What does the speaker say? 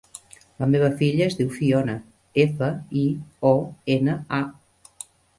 La meva filla es diu Fiona: efa, i, o, ena, a.